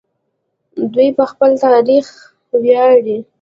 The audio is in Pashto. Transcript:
دوی په خپل تاریخ ویاړي.